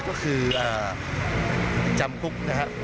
ก็คือจำคุก